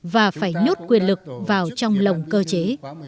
và phải nhốt quyền lực vào trong lồng cơ chế